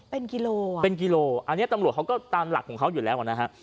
เป็นกิโลอ่ะเป็นกิโลอันนี้ตำรวจเขาก็ตามหลักของเขาอยู่แล้วอ่ะนะฮะ